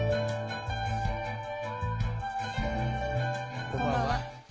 こんばんは。